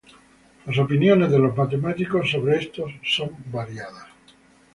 Las opiniones de los matemáticos sobre esto son variadas.